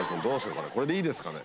これこれでいいですかね？